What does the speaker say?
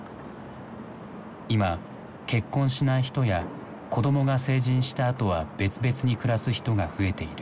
今結婚しない人や子どもが成人したあとは別々に暮らす人が増えている。